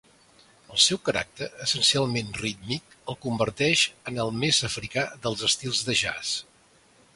El seu caràcter essencialment rítmic el converteix en el més africà dels estils de jazz.